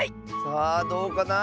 さあどうかな？